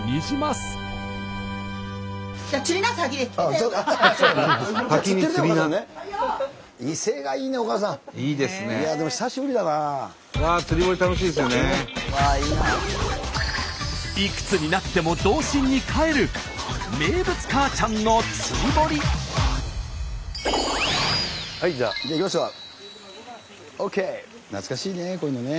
スタジオ懐かしいねこういうのね。